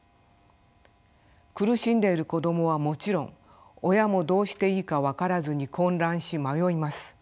苦しんでいる子どもはもちろん親もどうしていいか分からずに混乱し迷います。